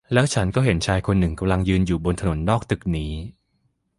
แล้วฉันก็เห็นชายคนหนึ่งกำลังยืนอยู่บนถนนนอกตึกนี้